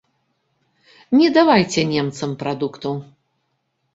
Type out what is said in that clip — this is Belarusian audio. Не давайце немцам прадуктаў!